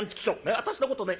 私のことをね